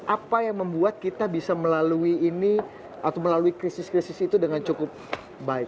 apa yang membuat kita bisa melalui ini atau melalui krisis krisis itu dengan cukup baik